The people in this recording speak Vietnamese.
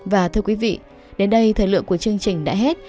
và thưa quý vị đến đây thời lượng của chương trình đã hết